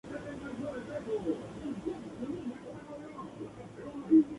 Un set bastante brillante y cortante, especial para tocar en vivo.